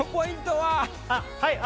はい。